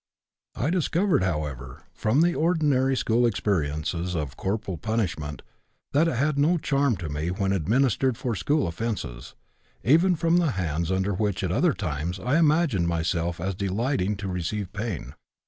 I discovered, however, from the ordinary school experiences of corporal punishment, that it had no charm to me when administered for school offenses, even from the hands under which at other times I imagined myself as delighting to receive pain.